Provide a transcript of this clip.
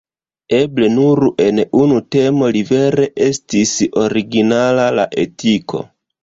Eble nur en unu temo li vere estis originala: la etiko.